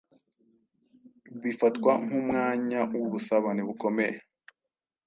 bifatwa nk’umwanya w’ubusabane bukomeye